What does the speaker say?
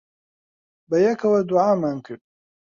بەیەکەوە دوعامان کرد.